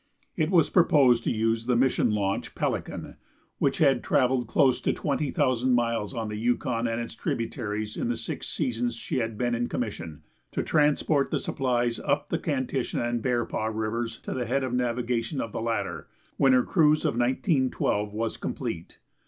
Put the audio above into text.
] It was proposed to use the mission launch Pelican, which has travelled close to twenty thousand miles on the Yukon and its tributaries in the six seasons she has been in commission, to transport the supplies up the Kantishna and Bearpaw Rivers to the head of navigation of the latter, when her cruise of 1912 was complete.